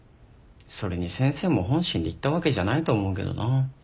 それに先生も本心で言ったわけじゃないと思うけどな。